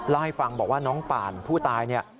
เล่าให้ฟังบอกว่าน้องป่านผู้ตายเนี่ย